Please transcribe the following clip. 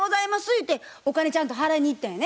ゆうてお金ちゃんと払いに行ったんやね？